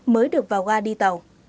mới được vào ga đi tàu